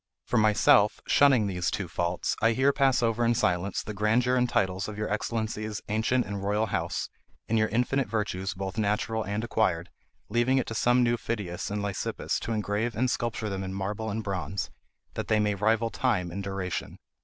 For myself, shunning these two faults, I here pass over in silence the grandeur and titles of your excellency's ancient and royal house, and your infinite virtues both natural and acquired, leaving it to some new Phidias and Lysippus to engrave and sculpture them in marble and bronze, that they may rival time in duration.